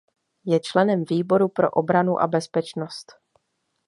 Je členem Výboru pro obranu a bezpečnost.